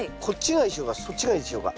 こっちがいいでしょうか？